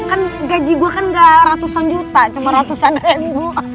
kan gaji gue kan gak ratusan juta cuma ratusan ribu